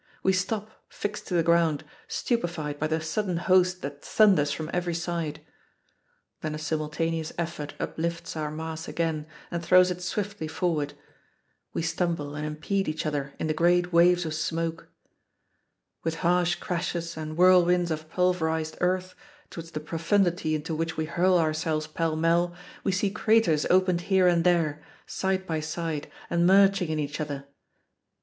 We stop, fixed to the ground, stupefied by the sudden host that thunders from every side; then a simultaneous effort uplifts our mass again and throws it swiftly forward. We stumble and impede each other in the great waves of smoke. With harsh crashes and whirlwinds of pulverized earth, towards the profundity into which we hurl ourselves pell mell, we see craters opened here and there, side by side, and merging in each other.